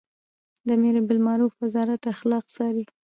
د امربالمعروف وزارت اخلاق څاري